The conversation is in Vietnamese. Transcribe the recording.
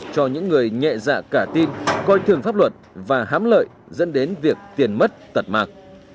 cho những người nhẹ dạ cả tin coi thường pháp luật và hám lợi dẫn đến việc tiền mất tật mạc